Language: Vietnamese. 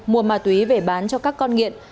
mua ma tuy về bán cho các con nghiện